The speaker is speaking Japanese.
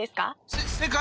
せ正解！